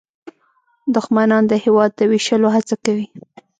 دښمنان د هېواد د ویشلو هڅه کوي